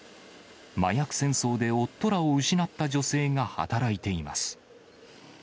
麻薬戦争で夫らを失った女性が働いています。